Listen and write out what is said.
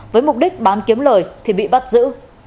với mục đích bán kiếm lời thì bị bắt giữ